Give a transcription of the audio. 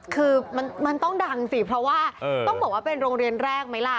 คือมันต้องดังสิเพราะว่าต้องบอกว่าเป็นโรงเรียนแรกไหมล่ะ